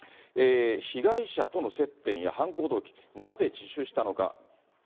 被害者との接点や犯行動機、なぜ自首したのか。